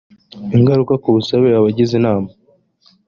ingaruka ku busabe abagize inama